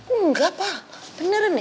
enggak pak beneran deh